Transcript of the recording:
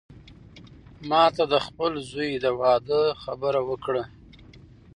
ما ته د خپل زوی د واده خبره وکړه.